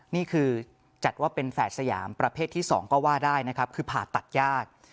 นี่คือจัดว่าเป็นแฝดสยามประเภทที่๒ก็ว่าได้นะครับคือผ่าตัดยาก